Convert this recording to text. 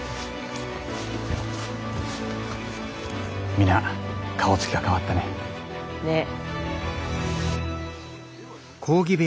皆顔つきが変わったね。ねぇ。